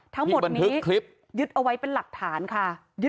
ทั้งหมดนี้ยึดเอาไว้เป็นหลักฐานค่ะ